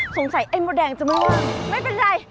ไอ้มดแดงจะไม่ว่างไม่เป็นไร